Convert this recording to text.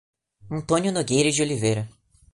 Antônio Nogueira de Oliveira